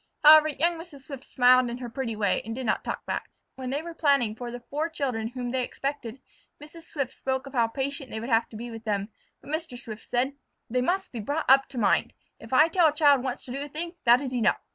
However, young Mrs. Swift smiled in her pretty way and did not talk back. When they were planning for the four children whom they expected, Mrs. Swift spoke of how patient they would have to be with them, but Mr. Swift said: "They must be brought up to mind! If I tell a child once to do a thing, that is enough.